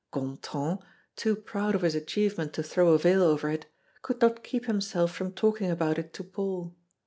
Gontran, too proud of his achievement to throw a veil over it, could not keep himself from talking about it to Paul.